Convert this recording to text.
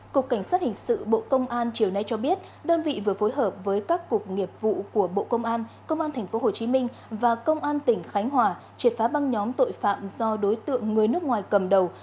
cục cảnh sát hình sự bộ công an chiều nay cho biết đơn vị vừa phối hợp với các cục nghiệp vụ của bộ công an công an tp hcm và công an tỉnh khánh hòa triệt phá băng nhóm tội phạm do đối tượng người nước ngoài cầm đầu